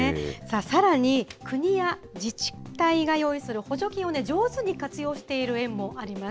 さらに国や自治体が用意する補助金を上手に活用している園もあります。